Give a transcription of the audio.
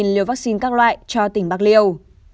bốn mươi bảy liều vaccine các loại cho tỉnh bắc liêu